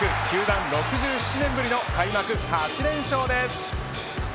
球団６７年ぶりの開幕８連勝です。